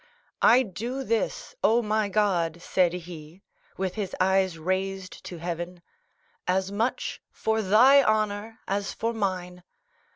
"I do this, Oh, my God," said he, with his eyes raised to heaven, "as much for thy honor as for mine.